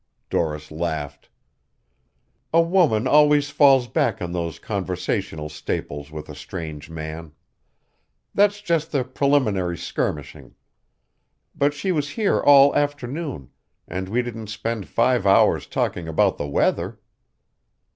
Doris laughed. "A woman always falls back on those conversational staples with a strange man. That's just the preliminary skirmishing. But she was here all afternoon, and we didn't spend five hours talking about the weather."